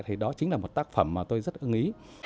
thì đó chính là một tác phẩm mà tôi rất ý